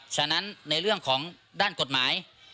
ฉะนั้นในเรื่องของด้านกฎหมาย